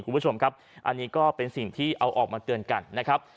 คุณผู้ชมครับอันนี้ก็เป็นสิ่งที่เอาออกมาเตือนกันนะครับ